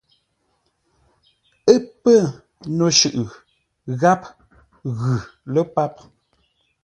Ə́ pə́́ no shʉʼʉ gháp ghʉ lə́ páp.